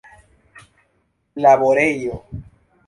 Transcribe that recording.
laborejo